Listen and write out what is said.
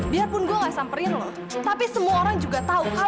walaupun gue gak nyamperin lo tapi semua orang juga tau kalau gue itu kakak lo